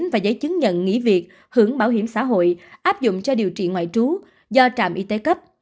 và giấy chứng nhận nghỉ việc hưởng bảo hiểm xã hội áp dụng cho điều trị ngoại trú do trạm y tế cấp